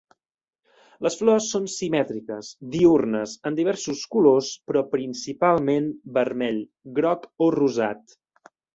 Les flors són simètriques, diürnes, en diversos colors, però principalment vermell, groc o rosat.